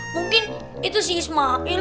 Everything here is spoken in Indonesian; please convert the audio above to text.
mungkin itu si ismail